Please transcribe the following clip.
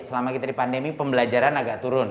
selama kita di pandemi pembelajaran agak turun